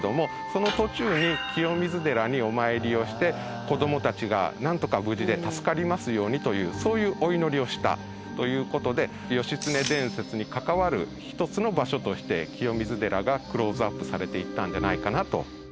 その途中に清水寺にお参りをして子どもたちがなんとか無事で助かりますようにというそういうお祈りをしたという事で義経伝説に関わる一つの場所として清水寺がクローズアップされていったんじゃないかなと。